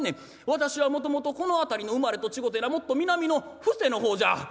私はもともとこの辺りの生まれと違てなもっと南の布施の方じゃ」。